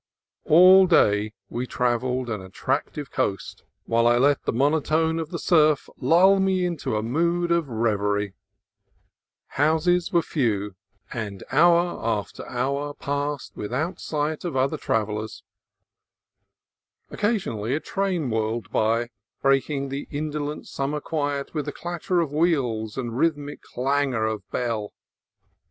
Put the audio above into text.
All day we travelled an attractive coast, while I let the monotone of the surf lull me into a mood of reverie. Houses were few, and hour after hour 80 CALIFORNIA COAST TRAILS passed without sight of other travellers. Occasion ally a train whirled by, breaking the indolent sum mer quiet with clatter of wheel and rhythmic clangor of bell.